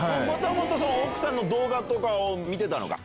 元々奥さんの動画とかを見てたのか？